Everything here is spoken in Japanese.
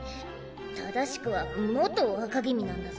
正しくは元若君なんだゾ。